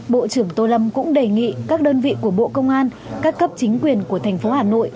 bộ trưởng tô lâm cũng đề nghị các đơn vị của bộ công an các cấp chính quyền của thành phố hà nội